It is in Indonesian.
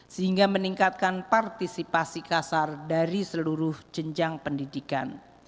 sehingga meningkatkan partisipasi kasar dari seluruh jenjang pendidikan